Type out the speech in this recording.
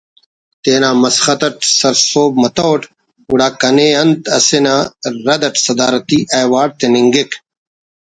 تینا مسخت اٹ سر سہب متوٹ گڑا کنے انت اسے نا رداٹ صدارتی ایوارڈ تننگک